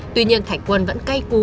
tuy nhiên thạch quân vẫn cay cú